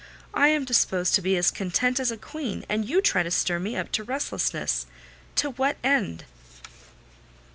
I am disposed to be as content as a queen, and you try to stir me up to restlessness! To what end?"